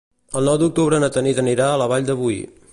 El nou d'octubre na Tanit anirà a la Vall de Boí.